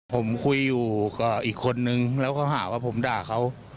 ผมคุยอยู่กับอีกคนนึงแล้วเขาหาว่าผมด่าเขา